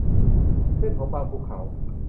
เส้นผมบังภูเขา